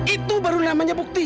itu baru namanya bukti